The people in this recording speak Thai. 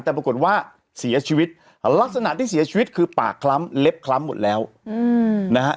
แต่ปรากฏว่าเสียชีวิตลักษณะที่เสียชีวิตคือปากคล้ำเล็บคล้ำหมดแล้วนะฮะ